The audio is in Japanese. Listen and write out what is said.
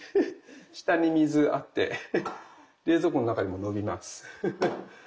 下に水あって冷蔵庫の中でものびます。